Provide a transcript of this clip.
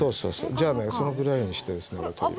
じゃあねそのぐらいにしてですねやるといいですね。